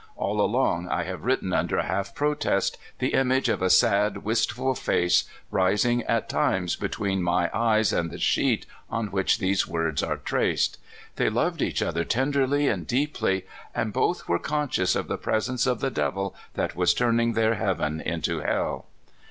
All along I have written under half protest, the image of a sad, 68 CALIFORNIA SKETCHES. wistful face rising at times between my eyes and the sheet on which these words are traced. They loved each other tenderly and deeply, and both were conscious of the presence of the devil that was turning their heaven into hell.